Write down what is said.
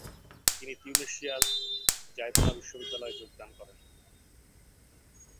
তিনি তিউনিসিয়ার জায়তুনা বিশ্ববিদ্যালয়ে যোগদান করেন।